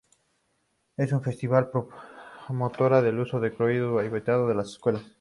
Es una ferviente promotora del uso del criollo haitiano en las escuelas.